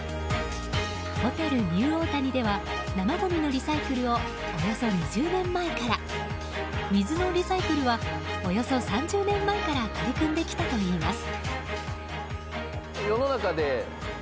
ホテルニューオータニでは生ごみのリサイクルをおよそ２０年前から水のリサイクルはおよそ３０年前から取り組んできたといいます。